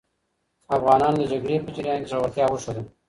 افغانانو د جګړې په جریان کې زړورتیا وښوده.